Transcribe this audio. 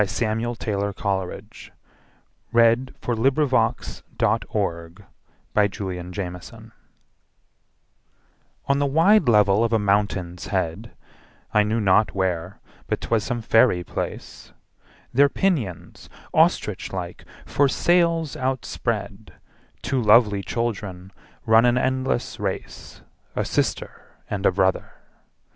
Samuel Taylor Coleridge. 1772–1834 553. Time, Real and Imaginary AN ALLEGORY ON the wide level of a mountain's head (I knew not where, but 'twas some faery place), Their pinions, ostrich like, for sails outspread, Two lovely children run an endless race, A sister and a brother!